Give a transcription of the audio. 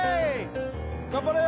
頑張れー！